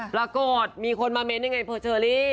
ปรากฏมีคนมาเม้นยังไงเพอร์เชอรี่